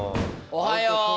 おはよう！